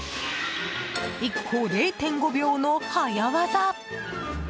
１個０．５秒の早業！